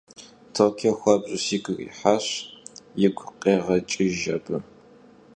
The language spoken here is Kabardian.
Tokio xuabju sigu yirihaş, - yigu khêğeç'ıjj abı.